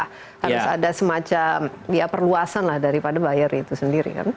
harus ada semacam ya perluasan lah daripada buyer itu sendiri kan